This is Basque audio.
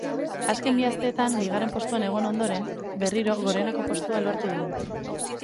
Azken bi asteetan bigarren postuan egon ondoren, berriro goreneko postua lortu du.